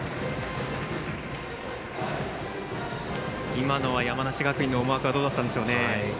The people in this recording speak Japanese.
今のは山梨学院の思惑はどうだったんでしょうかね。